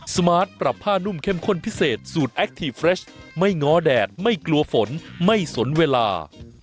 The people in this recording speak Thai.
สมาร์ทปรับผ้านุ่มเข้มข้นพิเศษสูตรแอคทีฟเฟรชไม่ง้อแดดไม่กลัวฝนไม่สนเวลา